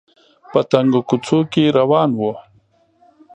په تنګو کوڅو کې روان و